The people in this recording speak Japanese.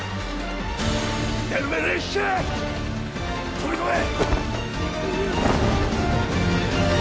飛び込め！